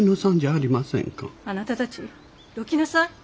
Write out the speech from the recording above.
あなたたちどきなさい。